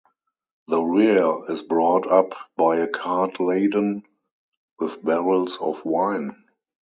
The rear is brought up by a cart laden with barrels of wine.